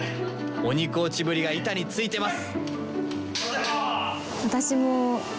鬼コーチぶりが板についてます！